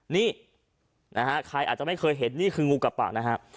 นี่นะฮะใครอาจจะไม่เคยเห็นนี่คืองูกระปะนะฮะ